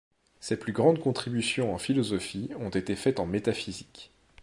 Ses plus grandes contributions en philosophie ont été faites en métaphysique.